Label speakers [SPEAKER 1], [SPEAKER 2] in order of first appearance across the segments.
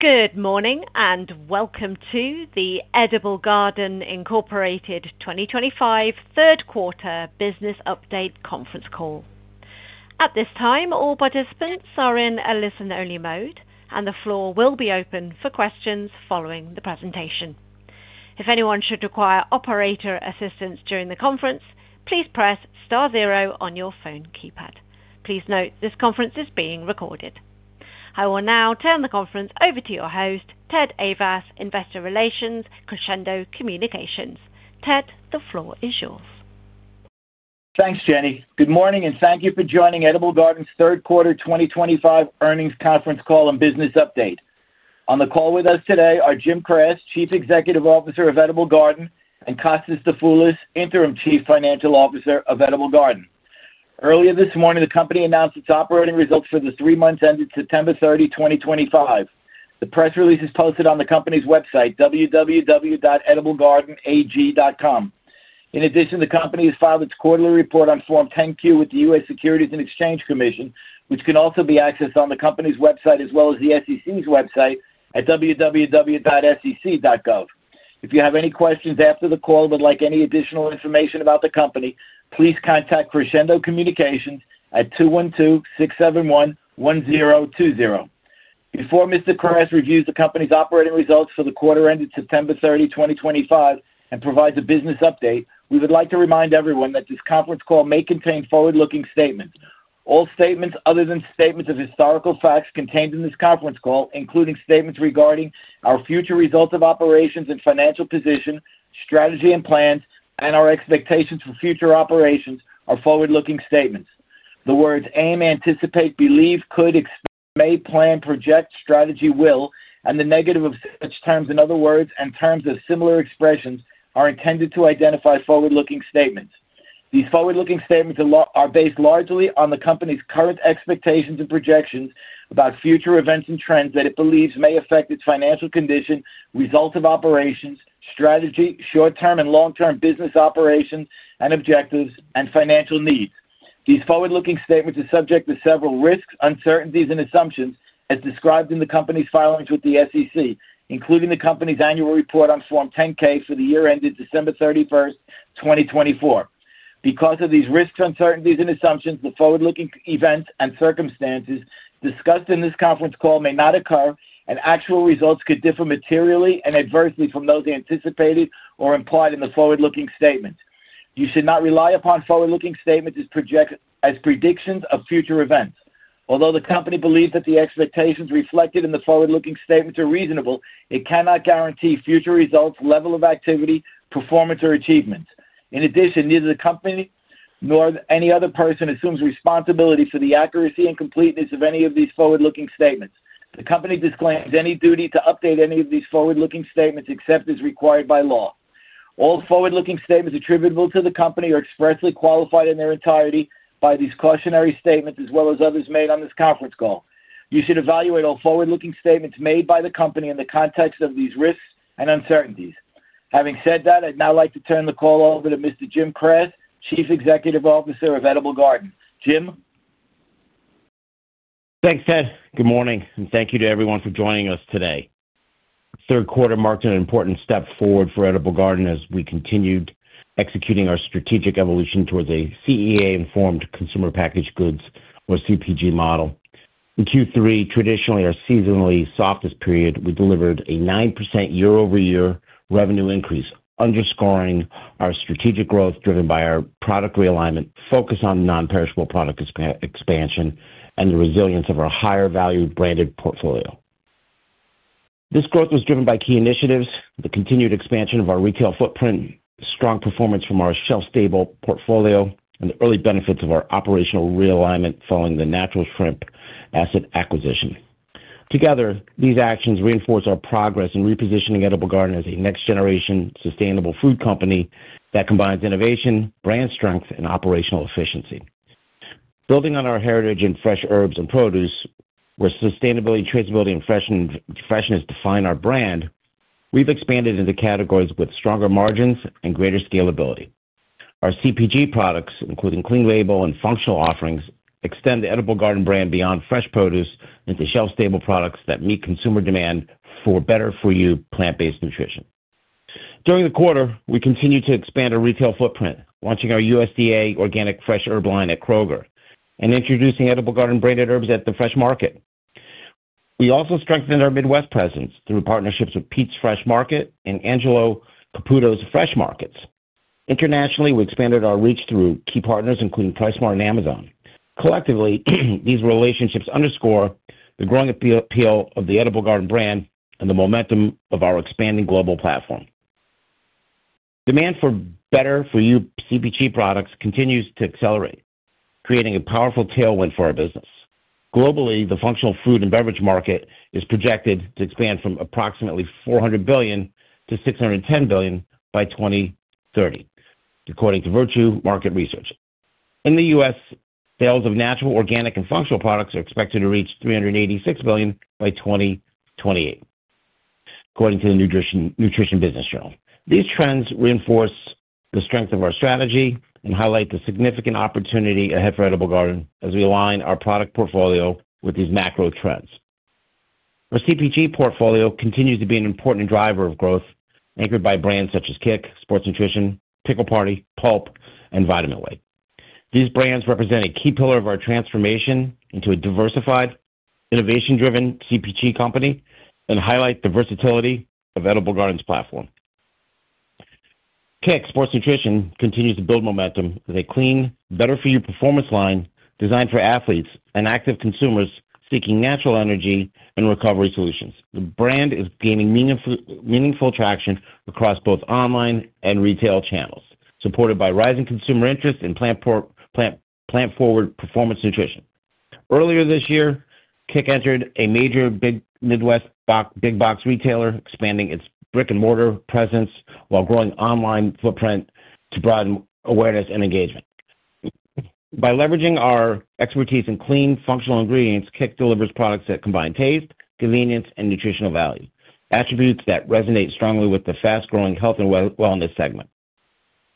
[SPEAKER 1] Good morning and welcome to the Edible Garden 2025 third quarter business update conference call. At this time, all participants are in a listen-only mode, and the floor will be open for questions following the presentation. If anyone should require operator assistance during the conference, please press star zero on your phone keypad. Please note this conference is being recorded. I will now turn the conference over to your host, Ted Ayvas, Investor Relations, Crescendo Communications. Ted, the floor is yours.
[SPEAKER 2] Thanks, Jenny. Good morning, and thank you for joining Edible Garden's third quarter 2025 earnings conference call and business update. On the call with us today are Jim Kras, Chief Executive Officer of Edible Garden, and Kostas Dafoulas, Interim Chief Financial Officer of Edible Garden. Earlier this morning, the company announced its operating results for the three months ended September 30, 2025. The press release is posted on the company's website, www.ediblegardenag.com. In addition, the company has filed its quarterly report on Form 10-Q with the U.S. Securities and Exchange Commission, which can also be accessed on the company's website as well as the SEC's website at www.sec.gov. If you have any questions after the call but would like any additional information about the company, please contact Crescendo Communications at 212-671-1020. Before Mr. Kras reviews the company's operating results for the quarter ended September 30, 2025, and provides a business update. We would like to remind everyone that this conference call may contain forward-looking statements. All statements other than statements of historical facts contained in this conference call, including statements regarding our future results of operations and financial position, strategy and plans, and our expectations for future operations, are forward-looking statements. The words "aim," "anticipate," "believe," "could," "expect," "may," "plan," "project," "strategy," "will," and the negative of such terms and other words and terms of similar expressions are intended to identify forward-looking statements. These forward-looking statements are based largely on the company's current expectations and projections about future events and trends that it believes may affect its financial condition, results of operations, strategy, short-term and long-term business operations and objectives, and financial needs. These forward-looking statements are subject to several risks, uncertainties, and assumptions as described in the company's filings with the U.S. Securities and Exchange Commission, including the company's annual report on Form 10-K for the year ended December 31, 2024. Because of these risks, uncertainties, and assumptions, the forward-looking events and circumstances discussed in this conference call may not occur, and actual results could differ materially and adversely from those anticipated or implied in the forward-looking statements. You should not rely upon forward-looking statements as predictions of future events. Although the company believes that the expectations reflected in the forward-looking statements are reasonable, it cannot guarantee future results, level of activity, performance, or achievements. In addition, neither the company nor any other person assumes responsibility for the accuracy and completeness of any of these forward-looking statements. The company disclaims any duty to update any of these forward-looking statements except as required by law. All forward-looking statements attributable to the company are expressly qualified in their entirety by these cautionary statements as well as others made on this conference call. You should evaluate all forward-looking statements made by the company in the context of these risks and uncertainties. Having said that, I'd now like to turn the call over to Mr. Jim Kras, Chief Executive Officer of Edible Garden. Jim.
[SPEAKER 3] Thanks, Ted. Good morning, and thank you to everyone for joining us today. Third quarter marked an important step forward for Edible Garden as we continued executing our strategic evolution towards a CEA-informed consumer packaged goods, or CPG, model. In Q3, traditionally our seasonally softest period, we delivered a 9% year-over-year revenue increase, underscoring our strategic growth driven by our product realignment, focus on non-perishable product expansion, and the resilience of our higher-value branded portfolio. This growth was driven by key initiatives, the continued expansion of our retail footprint, strong performance from our shelf-stable portfolio, and the early benefits of our operational realignment following the Natural Shrimp asset acquisition. Together, these actions reinforce our progress in repositioning Edible Garden as a next-generation sustainable food company that combines innovation, brand strength, and operational efficiency. Building on our heritage in fresh herbs and produce, where sustainability, traceability, and freshness define our brand, we've expanded into categories with stronger margins and greater scalability. Our CPG products, including clean label and functional offerings, extend the Edible Garden brand beyond fresh produce into shelf-stable products that meet consumer demand for better-for-you plant-based nutrition. During the quarter, we continued to expand our retail footprint, launching our USDA organic fresh herb line at Kroger and introducing Edible Garden branded herbs at Fresh Market. We also strengthened our Midwest presence through partnerships with Pete's Fresh Market and Angelo Caputo's Fresh Markets. Internationally, we expanded our reach through key partners, including Pricemart and Amazon. Collectively, these relationships underscore the growing appeal of the Edible Garden brand and the momentum of our expanding global platform. Demand for better-for-you CPG products continues to accelerate, creating a powerful tailwind for our business. Globally, the functional food and beverage market is projected to expand from approximately $400 billion to $610 billion by 2030, according to Virtue Market Research. In the U.S., sales of natural, organic, and functional products are expected to reach $386 billion by 2028, according to the Nutrition Business Journal. These trends reinforce the strength of our strategy and highlight the significant opportunity ahead for Edible Garden as we align our product portfolio with these macro trends. Our CPG portfolio continues to be an important driver of growth, anchored by brands such as KICK Sports Nutrition, Pickle Party, Pulp, and Vitamin Way. These brands represent a key pillar of our transformation into a diversified, innovation-driven CPG company and highlight the versatility of Edible Garden's platform. KICK Sports Nutrition continues to build momentum with a clean, better-for-you performance line designed for athletes and active consumers seeking natural energy and recovery solutions. The brand is gaining meaningful traction across both online and retail channels, supported by rising consumer interest in plant-forward performance nutrition. Earlier this year, KICK entered a major Midwest big box retailer, expanding its brick-and-mortar presence while growing online footprint to broaden awareness and engagement. By leveraging our expertise in clean, functional ingredients, KICK delivers products that combine taste, convenience, and nutritional value, attributes that resonate strongly with the fast-growing health and wellness segment.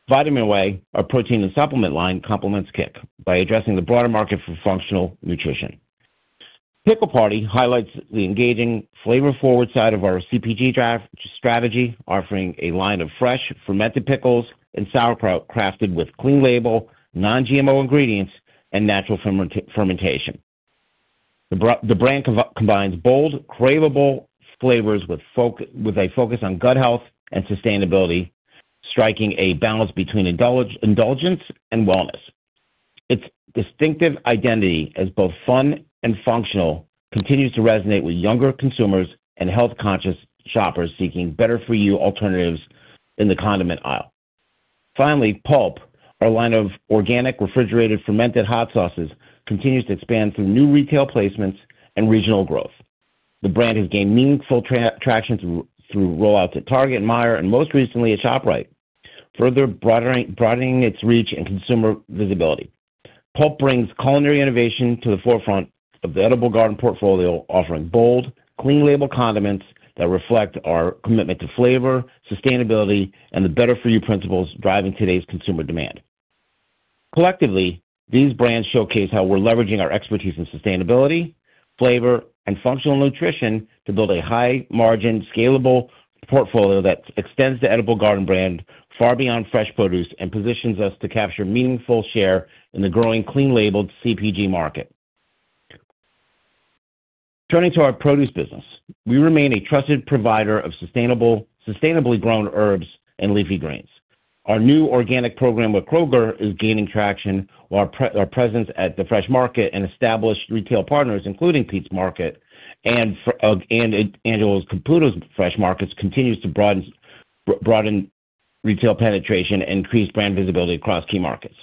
[SPEAKER 3] Vitamin Way, our protein and supplement line, complements KICK by addressing the broader market for functional nutrition. Pickle Party highlights the engaging, flavor-forward side of our CPG strategy, offering a line of fresh, fermented pickles and sauerkraut crafted with clean label, non-GMO ingredients, and natural fermentation. The brand combines bold, craveable flavors with a focus on gut health and sustainability, striking a balance between indulgence and wellness. Its distinctive identity as both fun and functional continues to resonate with younger consumers and health-conscious shoppers seeking better-for-you alternatives in the condiment aisle. Finally, Pulp, our line of organic, refrigerated, fermented hot sauces, continues to expand through new retail placements and regional growth. The brand has gained meaningful traction through rollouts at Target, Meijer, and most recently at ShopRite, further broadening its reach and consumer visibility. Pulp brings culinary innovation to the forefront of the Edible Garden portfolio, offering bold, clean-label condiments that reflect our commitment to flavor, sustainability, and the better-for-you principles driving today's consumer demand. Collectively, these brands showcase how we're leveraging our expertise in sustainability, flavor, and functional nutrition to build a high-margin, scalable portfolio that extends the Edible Garden brand far beyond fresh produce and positions us to capture a meaningful share in the growing clean-label CPG market. Turning to our produce business, we remain a trusted provider of sustainably grown herbs and leafy greens. Our new organic program with Kroger is gaining traction, while our presence at The Fresh Market and established retail partners, including Pete's Fresh Market and Angelo Caputo's Fresh Markets, continues to broaden retail penetration and increase brand visibility across key markets.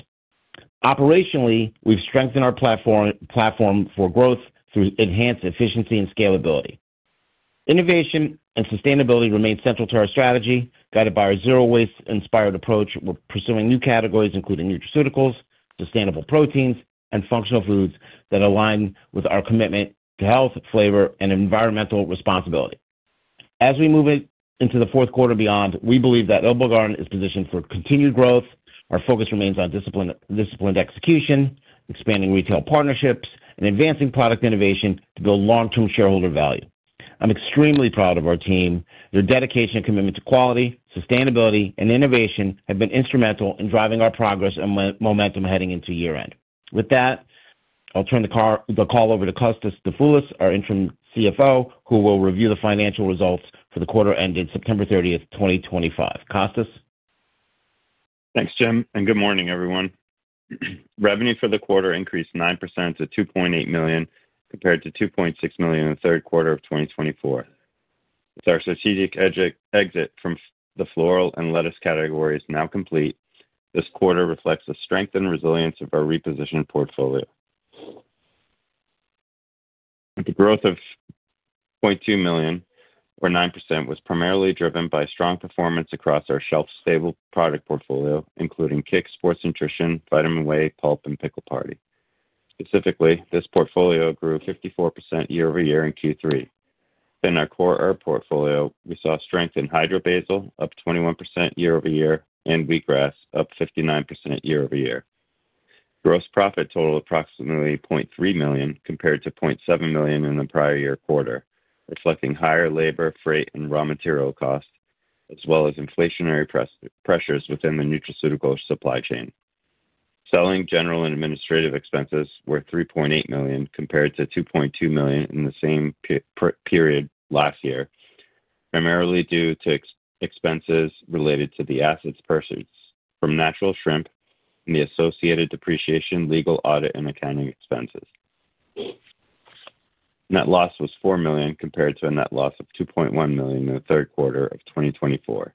[SPEAKER 3] Operationally, we've strengthened our platform for growth through enhanced efficiency and scalability. Innovation and sustainability remain central to our strategy, guided by our zero-waste-inspired approach. We're pursuing new categories, including nutraceuticals, sustainable proteins, and functional foods that align with our commitment to health, flavor, and environmental responsibility. As we move into the fourth quarter and beyond, we believe that Edible Garden is positioned for continued growth. Our focus remains on disciplined execution, expanding retail partnerships, and advancing product innovation to build long-term shareholder value. I'm extremely proud of our team. Their dedication and commitment to quality, sustainability, and innovation have been instrumental in driving our progress and momentum heading into year-end. With that, I'll turn the call over to Kostas Dafoulas, our Interim CFO, who will review the financial results for the quarter ended September 30, 2025. Kostas?
[SPEAKER 4] Thanks, Jim. Good morning, everyone. Revenue for the quarter increased 9% to $2.8 million, compared to $2.6 million in the third quarter of 2024. With our strategic exit from the floral and lettuce categories now complete, this quarter reflects the strength and resilience of our repositioned portfolio. The growth of $0.2 million, or 9%, was primarily driven by strong performance across our shelf-stable product portfolio, including KICK Sports Nutrition, Vitamin Way, Pulp, and Pickle Party. Specifically, this portfolio grew 54% year-over-year in Q3. In our core herb portfolio, we saw strength in Hydrobasil, up 21% year-over-year, and Wheatgrass, up 59% year-over-year. Gross profit totaled approximately $0.3 million, compared to $0.7 million in the prior year quarter, reflecting higher labor, freight, and raw material costs, as well as inflationary pressures within the nutraceutical supply chain. Selling, general and administrative expenses were $3.8 million, compared to $2.2 million in the same period last year, primarily due to expenses related to the assets purchased from Natural Shrimp and the associated depreciation, legal, audit, and accounting expenses. Net loss was $4 million, compared to a net loss of $2.1 million in the third quarter of 2024.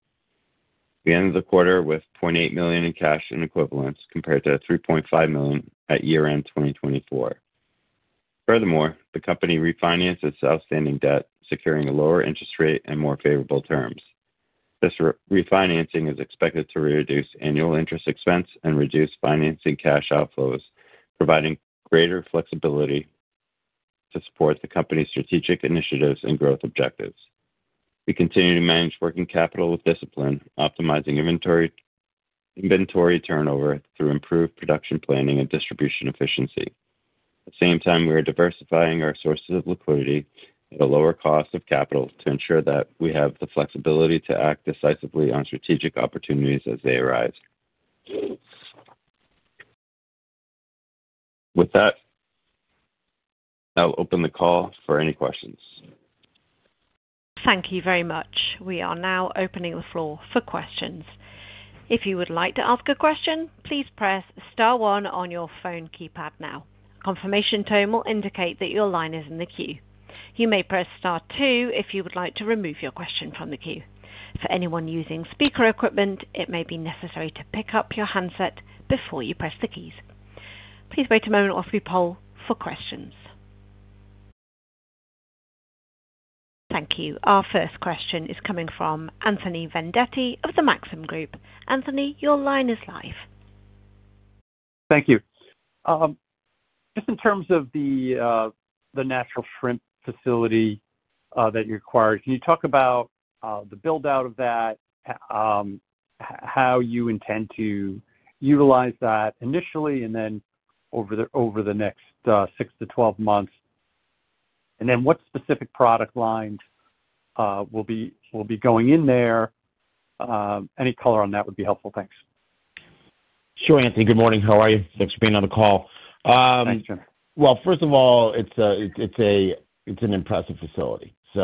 [SPEAKER 4] We ended the quarter with $0.8 million in cash and equivalents, compared to $3.5 million at year-end 2024. Furthermore, the company refinanced its outstanding debt, securing a lower interest rate and more favorable terms. This refinancing is expected to reduce annual interest expense and reduce financing cash outflows, providing greater flexibility to support the company's strategic initiatives and growth objectives. We continue to manage working capital with discipline, optimizing inventory turnover through improved production planning and distribution efficiency. At the same time, we are diversifying our sources of liquidity at a lower cost of capital to ensure that we have the flexibility to act decisively on strategic opportunities as they arise. With that, I'll open the call for any questions.
[SPEAKER 1] Thank you very much. We are now opening the floor for questions. If you would like to ask a question, please press Star 1 on your phone keypad now. A confirmation tone will indicate that your line is in the queue. You may press Star 2 if you would like to remove your question from the queue. For anyone using speaker equipment, it may be necessary to pick up your handset before you press the keys. Please wait a moment while we poll for questions. Thank you. Our first question is coming from Anthony Vendetti of Maxim Group. Anthony, your line is live.
[SPEAKER 5] Thank you. Just in terms of the Natural Shrimp facility that you acquired, can you talk about the build-out of that, how you intend to utilize that initially and then over the next 6 to 12 months? What specific product lines will be going in there? Any color on that would be helpful. Thanks.
[SPEAKER 3] Sure, Anthony. Good morning. How are you? Thanks for being on the call.
[SPEAKER 5] Thanks, Jim.
[SPEAKER 3] First of all, it's an impressive facility. In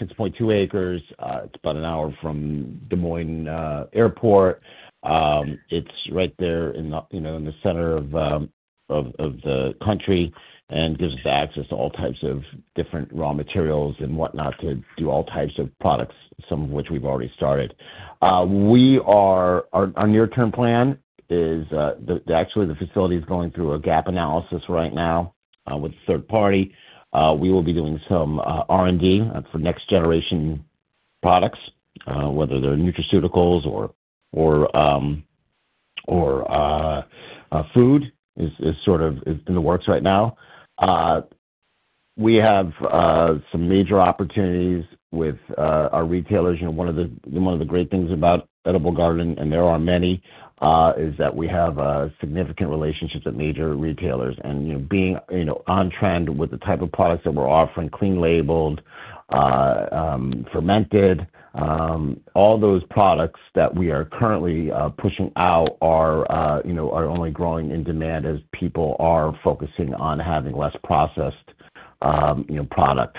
[SPEAKER 3] 6.2 acres, it's about an hour from Des Moines Airport. It's right there in the center of the country and gives us access to all types of different raw materials and whatnot to do all types of products, some of which we've already started. Our near-term plan is actually the facility is going through a gap analysis right now with a third party. We will be doing some R&D for next-generation products, whether they're nutraceuticals or food, is sort of in the works right now. We have some major opportunities with our retailers. One of the great things about Edible Garden, and there are many, is that we have significant relationships with major retailers. Being on-trend with the type of products that we're offering, clean-labeled, fermented, all those products that we are currently pushing out are only growing in demand as people are focusing on having less processed product.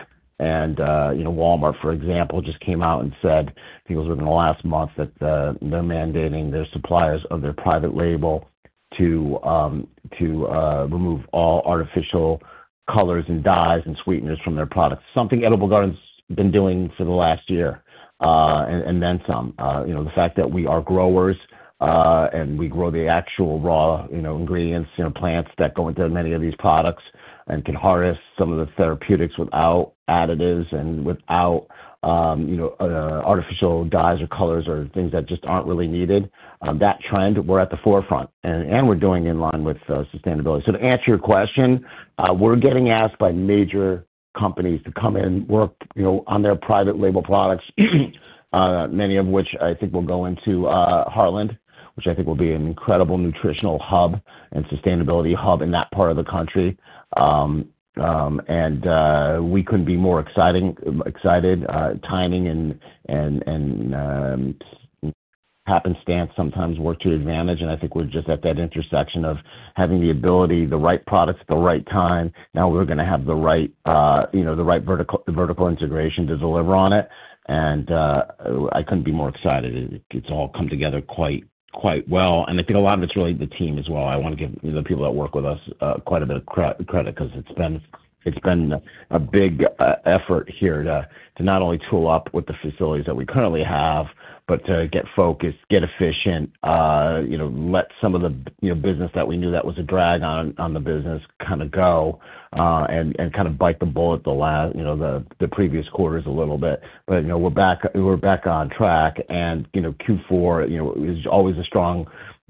[SPEAKER 3] Walmart, for example, just came out and said within the last month that they're mandating their suppliers of their private label to remove all artificial colors and dyes and sweeteners from their products. Something Edible Garden's been doing for the last year and then some. The fact that we are growers and we grow the actual raw ingredients, plants that go into many of these products and can harvest some of the therapeutics without additives and without artificial dyes or colors or things that just aren't really needed. That trend, we're at the forefront, and we're doing in line with sustainability. To answer your question, we're getting asked by major companies to come in, work on their private label products, many of which I think will go into Harland, which I think will be an incredible nutritional hub and sustainability hub in that part of the country. We couldn't be more excited. Timing and happenstance sometimes work to your advantage. I think we're just at that intersection of having the ability, the right products at the right time. Now we're going to have the right vertical integration to deliver on it. I couldn't be more excited. It's all come together quite well. I think a lot of it's really the team as well. I want to give the people that work with us quite a bit of credit because it's been a big effort here to not only tool up with the facilities that we currently have, but to get focused, get efficient, let some of the business that we knew that was a drag on the business kind of go and kind of bite the bullet, the previous quarters a little bit. We're back on track. Q4 is always a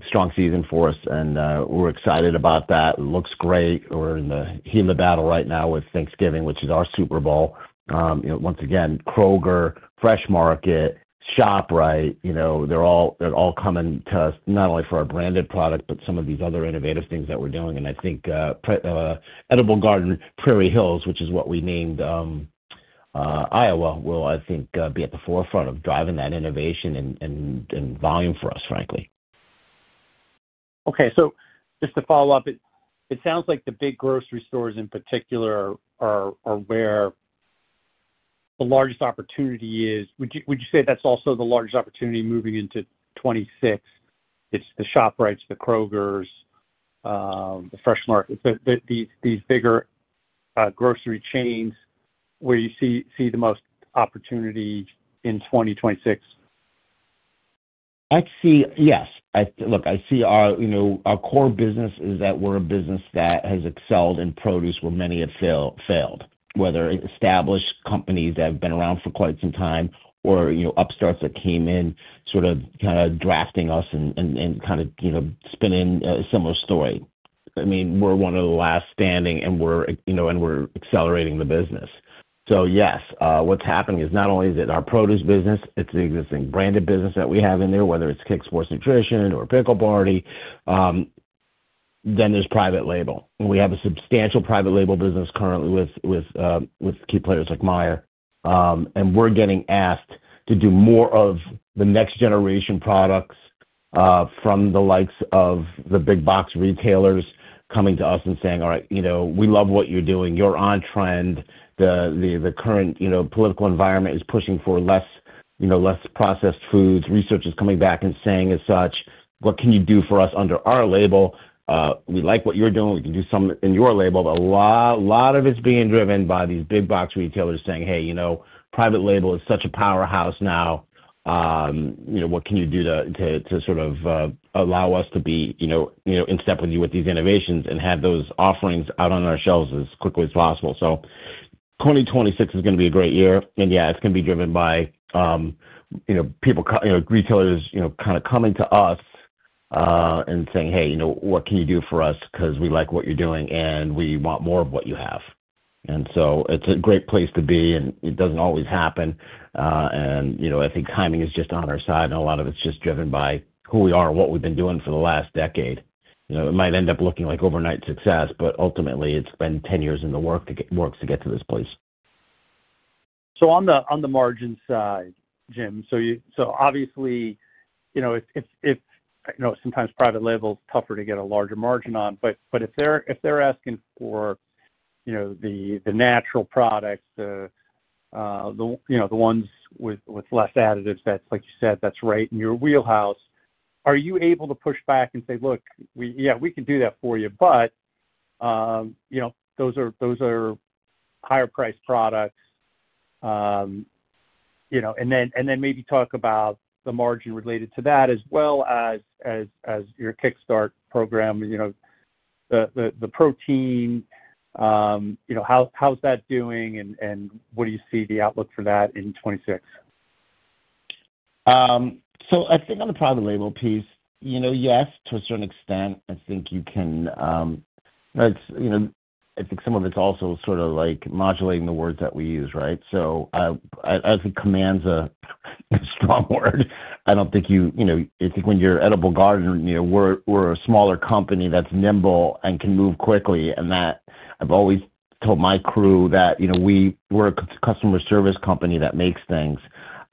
[SPEAKER 3] strong season for us, and we're excited about that. It looks great. We're in the heat of the battle right now with Thanksgiving, which is our Super Bowl. Once again, Kroger, Fresh Market, ShopRite, they're all coming to us not only for our branded products, but some of these other innovative things that we're doing. I think Edible Garden Prairie Hills, which is what we named Iowa, will, I think, be at the forefront of driving that innovation and volume for us, frankly.
[SPEAKER 5] Okay. Just to follow up, it sounds like the big grocery stores in particular are where the largest opportunity is. Would you say that's also the largest opportunity moving into 2026? It's the ShopRite, the Kroger, the Fresh Market, these bigger grocery chains where you see the most opportunity in 2026?
[SPEAKER 3] Yes. Look, I see our core business is that we're a business that has excelled in produce where many have failed, whether established companies that have been around for quite some time or upstarts that came in sort of kind of drafting us and kind of spinning a similar story. I mean, we're one of the last standing, and we're accelerating the business. Yes, what's happening is not only is it our produce business, it's the existing branded business that we have in there, whether it's KICK Sports Nutrition or Pickle Party. Then there's private label. We have a substantial private label business currently with key players like Meijer. We're getting asked to do more of the next-generation products from the likes of the big box retailers coming to us and saying, "All right, we love what you're doing. You're on-trend. The current political environment is pushing for less processed foods. Research is coming back and saying as such. What can you do for us under our label? We like what you're doing. We can do some in your label. A lot of it's being driven by these big box retailers saying, "Hey, private label is such a powerhouse now. What can you do to sort of allow us to be in step with you with these innovations and have those offerings out on our shelves as quickly as possible?" 2026 is going to be a great year. Yeah, it's going to be driven by retailers kind of coming to us and saying, "Hey, what can you do for us? Because we like what you're doing, and we want more of what you have." It's a great place to be, and it doesn't always happen. I think timing is just on our side, and a lot of it's just driven by who we are and what we've been doing for the last decade. It might end up looking like overnight success, but ultimately, it's been 10 years in the works to get to this place.
[SPEAKER 5] On the margin side, Jim, obviously, if sometimes private label is tougher to get a larger margin on, but if they're asking for the natural products, the ones with less additives that, like you said, that's right in your wheelhouse, are you able to push back and say, "Look, yeah, we can do that for you, but those are higher-priced products"? Maybe talk about the margin related to that as well as your Kick. Sports Nutrition program, the protein. How's that doing, and what do you see the outlook for that in 2026?
[SPEAKER 3] I think on the private label piece, yes, to a certain extent, I think you can—I think some of it's also sort of like modulating the words that we use, right? I think command's a strong word. I don't think you—I think when you're Edible Garden, we're a smaller company that's nimble and can move quickly. I've always told my crew that we're a customer service company that makes things.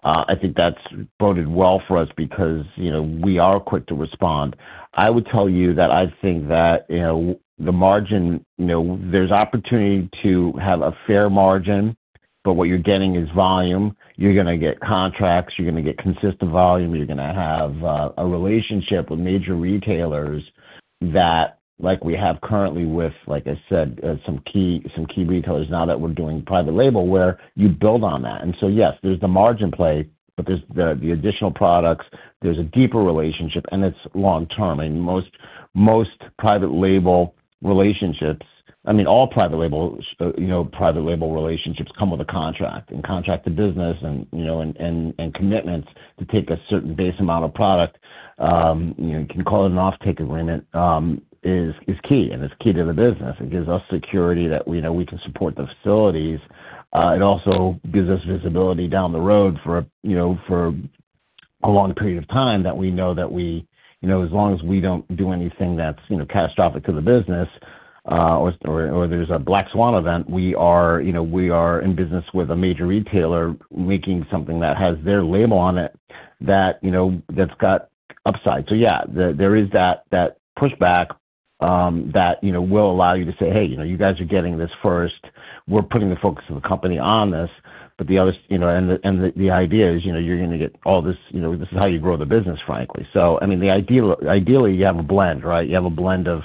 [SPEAKER 3] I think that's boded well for us because we are quick to respond. I would tell you that I think that the margin, there's opportunity to have a fair margin, but what you're getting is volume. You're going to get contracts. You're going to get consistent volume. You're going to have a relationship with major retailers that, like we have currently with, like I said, some key retailers now that we're doing private label where you build on that. Yes, there's the margin play, but there's the additional products. There's a deeper relationship, and it's long-term. I mean, most private label relationships—I mean, all private label relationships come with a contract and contract to business and commitments to take a certain base amount of product. You can call it an off-take agreement. It's key, and it's key to the business. It gives us security that we can support the facilities. It also gives us visibility down the road for a long period of time that we know that as long as we don't do anything that's catastrophic to the business or there's a black swan event, we are in business with a major retailer making something that has their label on it that's got upside. Yeah, there is that pushback that will allow you to say, "Hey, you guys are getting this first. We're putting the focus of the company on this." The other—and the idea is you're going to get all this—this is how you grow the business, frankly. I mean, ideally, you have a blend, right? You have a blend of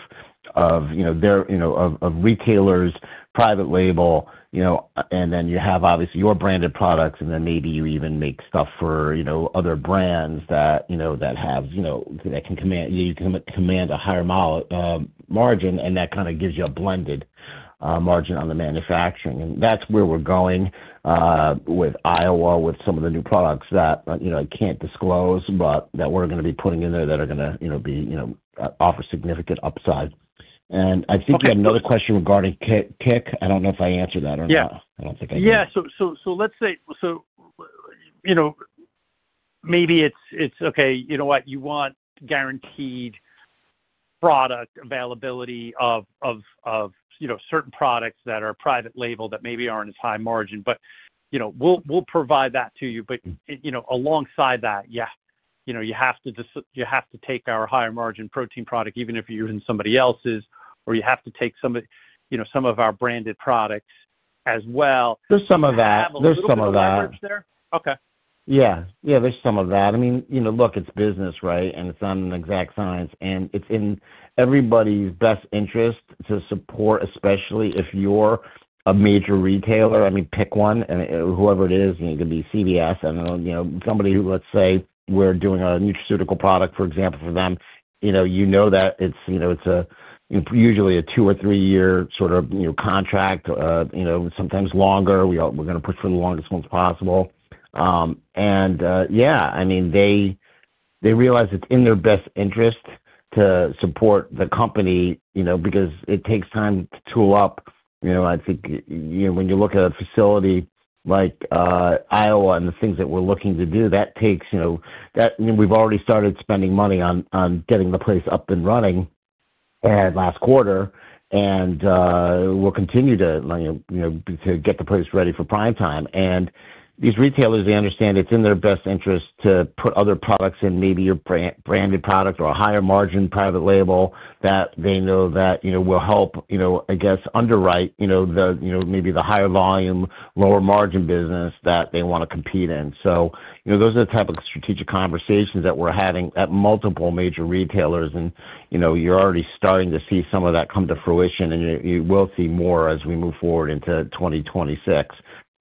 [SPEAKER 3] retailers, private label, and then you have obviously your branded products, and then maybe you even make stuff for other brands that have—that can command a higher margin, and that kind of gives you a blended margin on the manufacturing. That is where we're going with Iowa with some of the new products that I can't disclose, but that we're going to be putting in there that are going to offer significant upside. I think you had another question regarding Kick. I don't know if I answered that or not. I don't think I did.
[SPEAKER 5] Yeah. Let's say maybe it's, "Okay, you know what? You want guaranteed product availability of certain products that are private label that maybe aren't as high margin, but we'll provide that to you." Alongside that, yeah, you have to take our higher margin protein product even if you're using somebody else's, or you have to take some of our branded products as well.
[SPEAKER 3] There's some of that.
[SPEAKER 5] Okay.
[SPEAKER 3] Yeah. Yeah, there's some of that. I mean, look, it's business, right? And it's not an exact science. It's in everybody's best interest to support, especially if you're a major retailer. I mean, pick one, whoever it is, it could be CVS. I don't know. Somebody who, let's say, we're doing a nutraceutical product, for example, for them, you know that it's usually a two- or three-year sort of contract, sometimes longer. We're going to push for the longest ones possible. Yeah, I mean, they realize it's in their best interest to support the company because it takes time to tool up. I think when you look at a facility like Iowa and the things that we're looking to do, that takes—I mean, we've already started spending money on getting the place up and running last quarter, and we'll continue to get the place ready for prime time. These retailers, they understand it's in their best interest to put other products in, maybe your branded product or a higher margin private label that they know will help, I guess, underwrite maybe the higher volume, lower margin business that they want to compete in. Those are the type of strategic conversations that we're having at multiple major retailers. You're already starting to see some of that come to fruition, and you will see more as we move forward into 2026.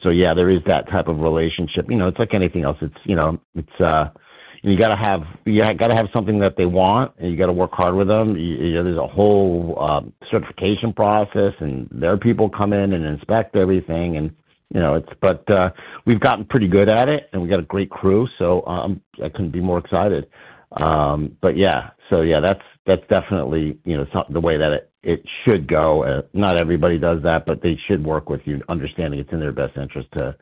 [SPEAKER 3] Yeah, there is that type of relationship. It's like anything else. You got to have—you got to have something that they want, and you got to work hard with them. There's a whole certification process, and their people come in and inspect everything. We've gotten pretty good at it, and we got a great crew. I couldn't be more excited. Yeah, that's definitely the way that it should go. Not everybody does that, but they should work with you, understanding it's in their best interest to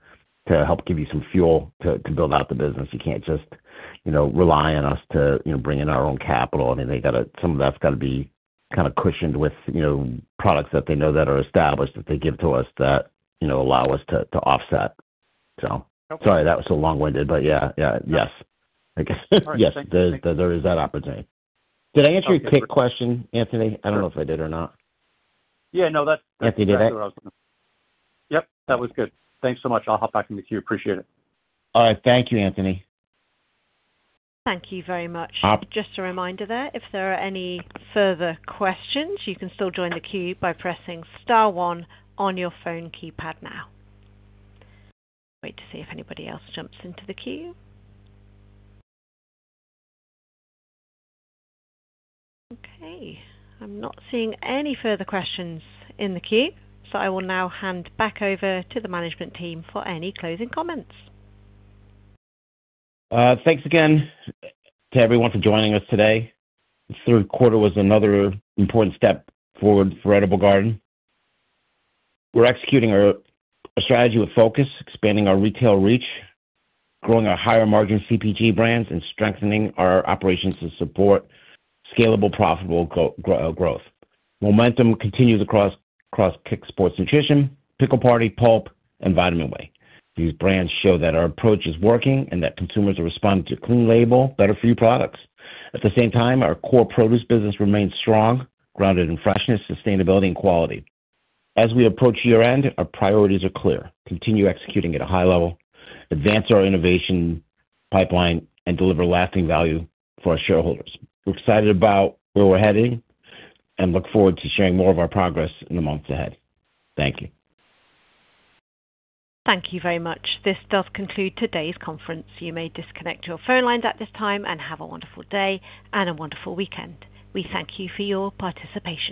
[SPEAKER 3] help give you some fuel to build out the business. You can't just rely on us to bring in our own capital. I mean, they got to—some of that's got to be kind of cushioned with products that they know that are established that they give to us that allow us to offset. Sorry, that was so long-winded, but yeah. Yes. Yes. There is that opportunity. Did I answer your Kick question, Anthony? I don't know if I did or not.
[SPEAKER 5] Yeah. No, that's exactly what I was going to—yep. That was good. Thanks so much. I'll hop back in with you. Appreciate it.
[SPEAKER 3] All right. Thank you, Anthony.
[SPEAKER 1] Thank you very much. Just a reminder there, if there are any further questions, you can still join the queue by pressing star one on your phone keypad now. Wait to see if anybody else jumps into the queue. Okay. I'm not seeing any further questions in the queue, so I will now hand back over to the management team for any closing comments.
[SPEAKER 3] Thanks again to everyone for joining us today. Third quarter was another important step forward for Edible Garden. We're executing our strategy with focus, expanding our retail reach, growing our higher margin CPG brands, and strengthening our operations to support scalable, profitable growth. Momentum continues across Kick Sports Nutrition, Pickle Party, Pulp, and Vitamin Way. These brands show that our approach is working and that consumers are responding to clean label, better-for-you products. At the same time, our core produce business remains strong, grounded in freshness, sustainability, and quality. As we approach year-end, our priorities are clear: continue executing at a high level, advance our innovation pipeline, and deliver lasting value for our shareholders. We're excited about where we're heading and look forward to sharing more of our progress in the months ahead. Thank you.
[SPEAKER 1] Thank you very much. This does conclude today's conference. You may disconnect your phone lines at this time and have a wonderful day and a wonderful weekend. We thank you for your participation.